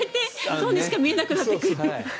そうにしか見えなくなってくるから。